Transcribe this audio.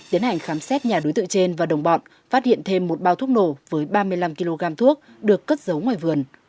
tiến hành khám xét nhà đối tượng trên và đồng bọn phát hiện thêm một bao thuốc nổ với ba mươi năm kg thuốc được cất giấu ngoài vườn